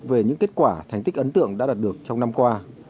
về những kết quả thành tích ấn tượng đã đạt được trong năm qua